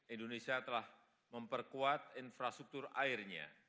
indonesia telah memperkuat infrastruktur airnya